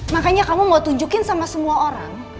makanya kamu mau tunjukin sama semua orang